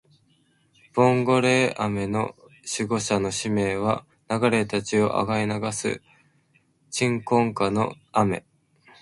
ボンゴレ雨の守護者の使命は、流れた血を洗い流す鎮魂歌の雨